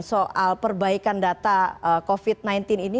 soal perbaikan data covid sembilan belas ini